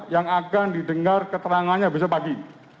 yang akan didengar keterangannya besok pagi